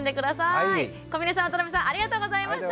小峰さん渡邊さんありがとうございました。